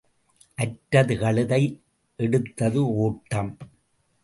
அற்றது கழுதை, எடுத்தது ஓட்டம்.